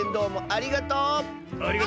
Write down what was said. ありがとう！